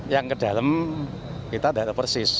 yang ke dalam kita tidak tahu persis